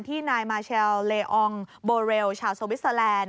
นายมาเชลเลอองโบเรลชาวสวิสเตอร์แลนด์